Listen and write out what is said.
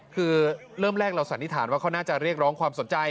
คือเริ่มแรกเราสันนิษฐานว่าเขาน่าจะเรียกร้องความสนใจ